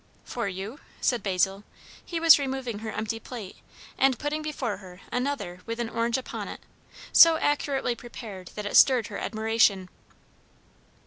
"For you?" said Basil. He was removing her empty plate, and putting before her another with an orange upon it, so accurately prepared that it stirred her admiration.